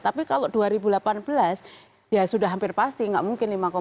tapi kalau dua ribu delapan belas ya sudah hampir pasti gak mungkin lima dua gitu kan